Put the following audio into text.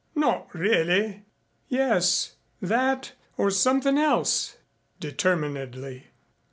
Not really!" "Yes, that or something else," determinedly.